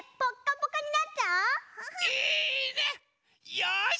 よし！